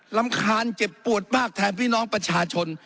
รำคาญเจ็บปวดมากแทนพี่น้องประชาชน